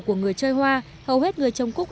của người chơi hoa hầu hết người trồng cúc